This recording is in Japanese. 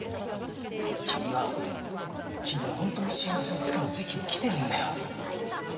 君は君の本当の幸せをつかむ時期に来てるんだよ。